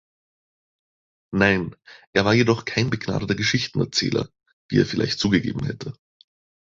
Nein, er war jedoch kein begnadeter Geschichtenerzähler, wie er vielleicht zugegeben hätte.